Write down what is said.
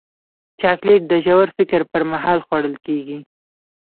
چاکلېټ د ژور فکر پر مهال خوړل کېږي.